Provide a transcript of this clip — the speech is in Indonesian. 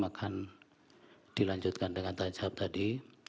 akan dilanjutkan dengan tahap tadi